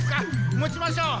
持ちましょう。